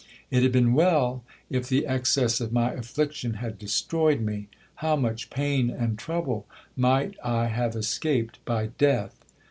It had been well if the excess of my affliction had destroyed me ! How much pain and trouble might I have escaped by death